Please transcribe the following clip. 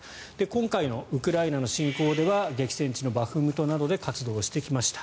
今回のウクライナの侵攻では激戦地のバフムトなどで活動をしてきました。